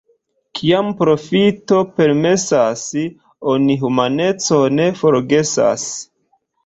Kiam profito permesas, oni humanecon forgesas.